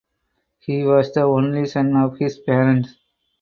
He was the only son of his parents.